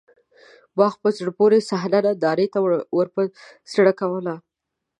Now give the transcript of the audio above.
باغ په زړه پورې صحنه نندارې ته ورپه زړه کوله.